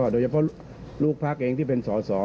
โดยเฉพาะลูกพรรคเองที่เป็นสอ